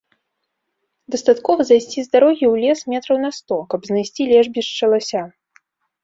Дастаткова зайсці з дарогі ў лес метраў на сто, каб знайсці лежбішча лася.